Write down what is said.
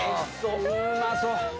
うまそう。